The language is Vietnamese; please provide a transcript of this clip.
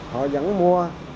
họ vẫn mua